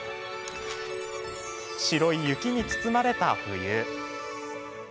白い雪に包まれた冬。